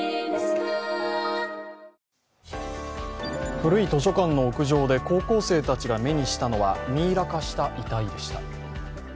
古い図書館の屋上で高校生たちが目にしたのはミイラ化した遺体でした。